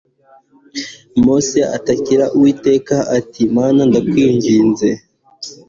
mose atakira uwiteka ati mana ndakwingize